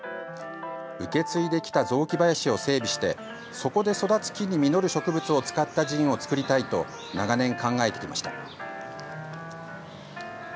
受け継いできた雑木林を整備してそこで育つ木に実る植物を使ったジンを作りたいと長年、考えてきました。